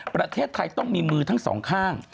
ประเทศไทยต้องมีมือทั้งสองข้าง